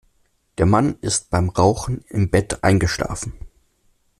Der Mann ist beim Rauchen im Bett eingeschlafen.